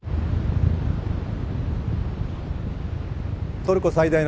トルコ最大の都市